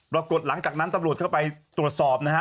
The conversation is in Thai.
ปรากฏหลังจากนั้นตำรวจเข้าไปตรวจสอบนะฮะ